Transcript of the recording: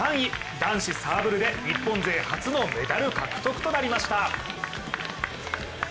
男子サーブルで日本勢初のメダル獲得となりました。